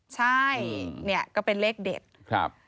ใช่เนี่ยก็เป็นเลขเด็ดครับ